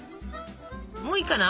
もういいかな？